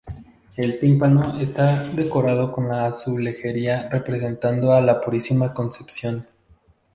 El tímpano está decorado con azulejería representando a la Purísima Concepción.